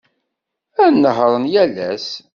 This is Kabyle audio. Ad nehhṛen yal ass.